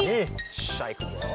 っしゃいくぞ。